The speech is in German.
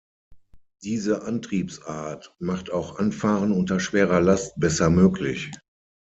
Diese Antriebsart macht auch Anfahren unter schwerer Last besser möglich.